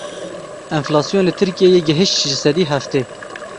Enflasyon li Tirkiyeyê gihişt ji sedî heftê.